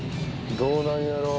どうなんだろう。